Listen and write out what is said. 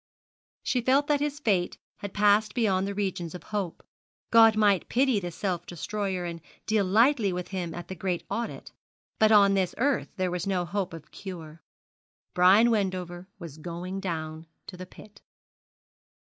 She felt that his fate had passed beyond the regions of hope. God might pity the self destroyer, and deal lightly with him at the great audit; but on this earth there was no hope of cure. Brian Wendover was going down to the pit.